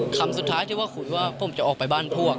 คำสุดท้ายที่ว่าคุยว่าผมจะออกไปบ้านพวก